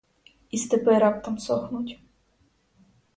І степи раптом сохнуть.